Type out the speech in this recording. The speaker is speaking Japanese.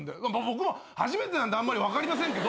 僕も初めてなんであんまり分かりませんけど。